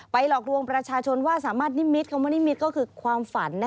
หลอกลวงประชาชนว่าสามารถนิมิตคำว่านิมิตก็คือความฝัน